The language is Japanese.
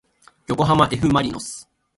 よこはまえふまりのす